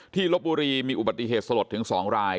ลบบุรีมีอุบัติเหตุสลดถึง๒ราย